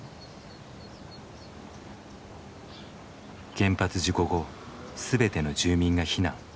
原発事故後全ての住民が避難。